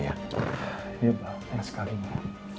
iya pak kasihan sekali